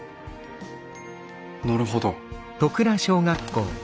なるほど。